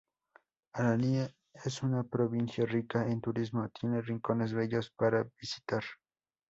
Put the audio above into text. Arani es una provincia rica en turismo; tiene rincones bellos para visitar.